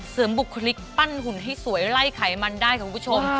บุคลิกปั้นหุ่นให้สวยไล่ไขมันได้ค่ะคุณผู้ชม